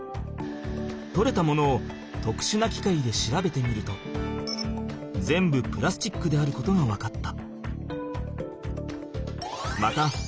とれたものをとくしゅなきかいで調べてみると全部プラスチックであることが分かった。